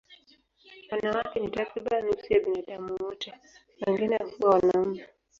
Wanawake ni takriban nusu ya binadamu wote, wengine huwa wanaume.